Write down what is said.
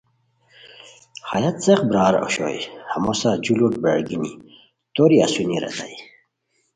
ہیہ څیق برار اوشوئے ہمو سار جو لوٹ برارگینی توری اسونی ریتائے